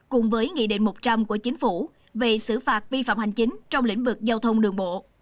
cùng với nghị định một trăm linh của chính phủ về xử phạt vi phạm hành chính trong lĩnh vực giao thông đường bộ